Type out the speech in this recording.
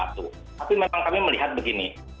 tapi memang kami melihat begini